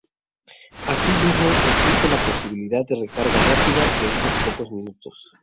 Asimismo, existe la posibilidad de recarga rápida de unos pocos minutos.